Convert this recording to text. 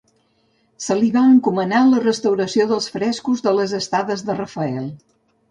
Se li va encomanar la restauració dels frescos de les Estades de Rafael.